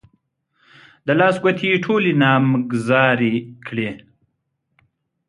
د لاس ګوتې يې ټولې نامګذاري کړې.